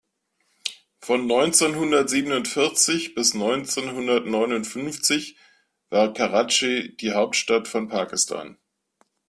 Von neunzehnhundertsiebenundvierzig bis neunzehnhundertneunundfünfzig war Karatschi die Hauptstadt von Pakistan.